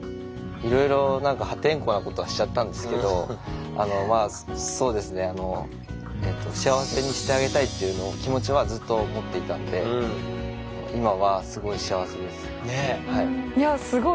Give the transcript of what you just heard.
いろいろ何か破天荒なことはしちゃったんですけどまあそうですねていうのを気持ちはずっと思っていたんで今はすごい幸せです。